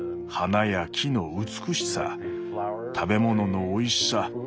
花や木の美しさ食べ物のおいしさ。